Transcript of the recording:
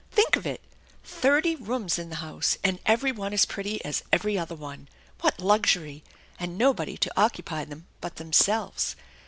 Think of it ! Thirty rooms in the house, and every one as pretty as every other one! What luxury! And nobody to occupy them but themselves!